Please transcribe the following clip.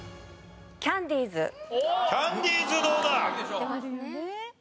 キャンディーズどうだ？